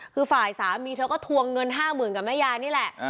คือฝ่ายสามีเธอก็ทวงเงิน๕๐๐๐กับแม่ยายนี่แหละ